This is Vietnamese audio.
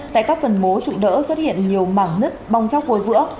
tại các phần mố trụ đỡ xuất hiện nhiều mảng nứt bong chóc hồi vữa